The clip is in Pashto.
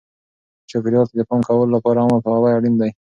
چاپیریال ته د پام کولو لپاره عامه پوهاوی اړین دی.